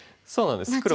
そうなんです